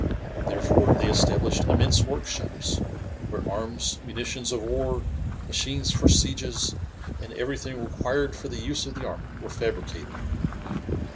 Therefore they established immense workshops, where arms, munitions of war, machines for sieges, and everything required for the use of the army were fabricated.